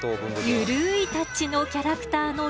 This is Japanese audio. ゆるいタッチのキャラクターのゆるい